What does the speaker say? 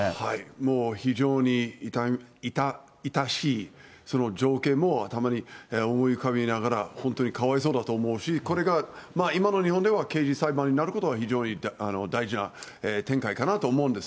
もう非常に、痛々しい情景も、頭に思い浮かべながら、本当にかわいそうだと思うし、これが今の日本では、刑事裁判になることは、非常に大事な展開かなと思うんです。